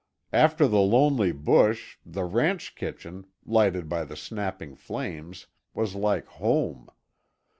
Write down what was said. After the lonely bush, the ranch kitchen, lighted by the snapping flames, was like home.